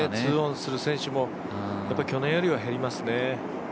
２オンする選手も去年よりは減りますよね。